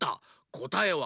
こたえは。